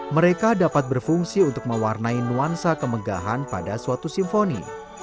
mereka dapat berfungsi untuk mewarnai nuansa kemegahan pada suatu simfoni